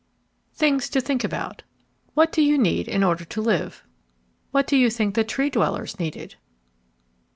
THINGS TO THINK ABOUT What do you need in order to live? What do you think that the Tree dwellers needed?